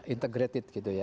integrated gitu ya